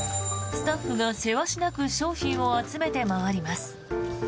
スタッフがせわしなく商品を集めて回ります。